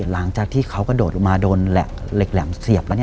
หลังจากที่เขากระโดดลงมาโดนเหล็กแหลมเสียบแล้ว